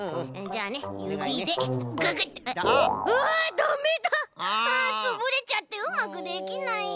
あつぶれちゃってうまくできないよ！